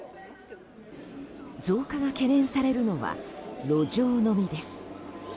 増加が懸念されるのは路上飲みです。